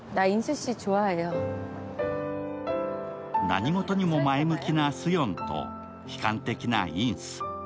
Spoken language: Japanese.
何事にも前向きなスヨンと悲観的なインス。